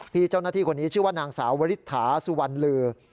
พี่เจ้าหน้าที่คนนี้ชื่อว่านางสาววริถาสุวรรณลือ